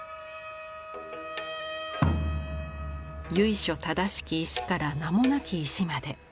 由緒正しき石から名もなき石まで。